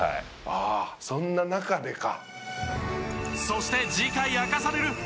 ああそんな中でか。